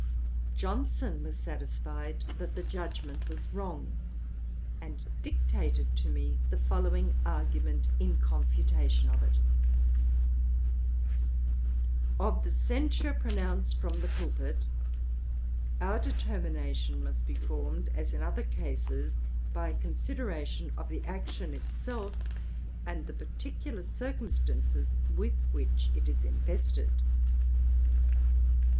Johnson was satisfied that the judgement was wrong, and dictated to me the following argument in confutation of it: 'Of the censure pronounced from the pulpit, our determination must be formed, as in other cases, by a consideration of the action itself, and the particular circumstances with which it is invested.